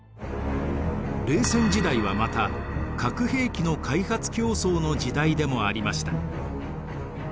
冷戦時代はまた核兵器の開発競争の時代でもありました。